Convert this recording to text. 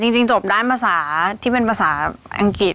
จริงจบด้านภาษาที่เป็นภาษาอังกฤษ